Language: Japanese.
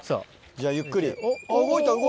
じゃあゆっくり動いた。